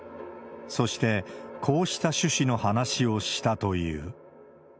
そして、こうした趣旨の話をしたという。